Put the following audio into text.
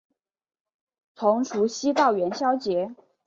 从除夕到元宵节